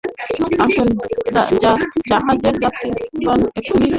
আসুন, জাহাজের যাত্রীগণ এক্ষুনি যাত্রার জন্য প্রস্তুতি নিন!